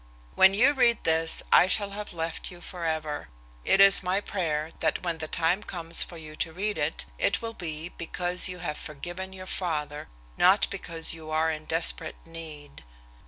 "When you read this I shall have left you forever. It is my prayer that when the time comes for you to read it, it will be because you have forgiven your father, not because you are in desperate need.